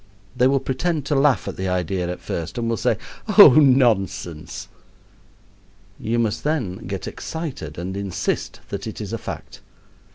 They will pretend to laugh at the idea at first and will say, "Oh, nonsense!" You must then get excited and insist that it is a fact.